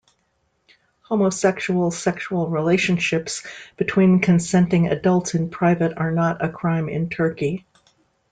Homosexual sexual relationships between consenting adults in private are not a crime in Turkey.